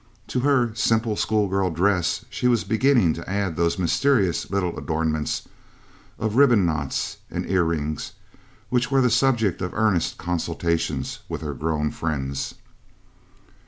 To her simple school girl dress she was beginning to add those mysterious little adornments of ribbon knots and ear rings, which were the subject of earnest consultations with her grown friends.